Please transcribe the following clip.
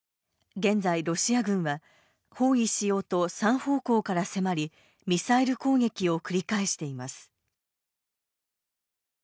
現在、ロシア軍は包囲しようと３方向から迫りミサイル攻撃を繰り返しています。